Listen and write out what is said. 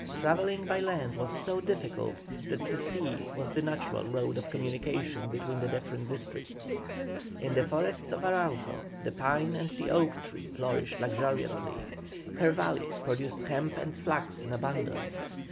Travelling by land was so difficult, that the sea was the natural road of communication between the different districts. In the forests of Arauco the pine and the oak tree flourished luxuriantly, her valleys produced hemp and flax in abundance.